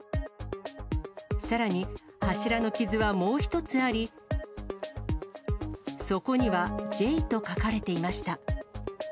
さらに、柱の傷はもう１つあり、そこには、Ｊと書かれていました。